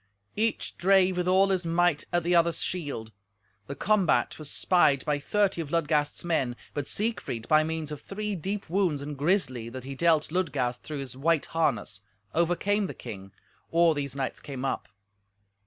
Each drave with all his might at the other's shield. The combat was spied by thirty of Ludgast's men, but Siegfried, by means of three deep wounds and grisly that he dealt Ludgast through his white harness, overcame the king or these knights came up.